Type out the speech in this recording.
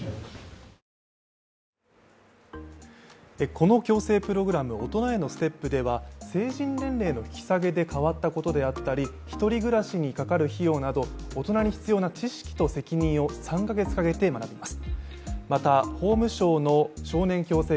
この矯正プログラム、大人へのステップでは成人年齢の引き下げで変わったことであったり１人暮らしにかかる費用など、大人に必要な知識を３か月かけて学びます。